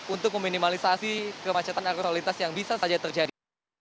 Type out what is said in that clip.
untuk meminimalisasi kemacetan aerosolitas yang bisa saja terjadi